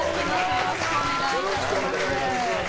よろしくお願いします。